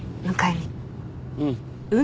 うん。